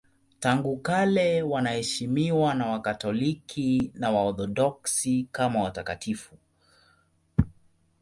Tangu kale wanaheshimiwa na Wakatoliki na Waorthodoksi kama watakatifu.